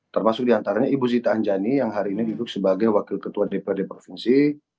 termasuk diantaranya ibu sita anjani yang hari ini duduk sebagai wakil ketua dprd provinsi